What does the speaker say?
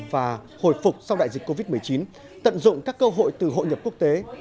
và hồi phục sau đại dịch covid một mươi chín tận dụng các cơ hội từ hội nhập quốc tế